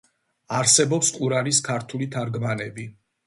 არსებობს ყურანის ქართული თარგმანები.